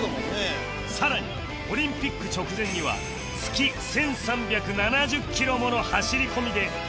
更にオリンピック直前には月１３７０キロもの走り込みでスタミナも強化